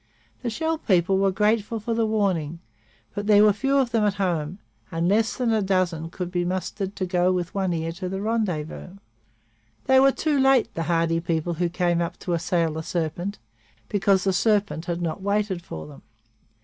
The Shell people were grateful for the warning, but there were few of them at home, and less than a dozen could be mustered to go with One Ear to the rendezvous. They were too late, the hardy people who came up to assail the serpent, because the serpent had not waited for them.